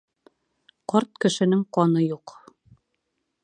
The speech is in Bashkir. Ҡарт кешенең ҡаны юҡ.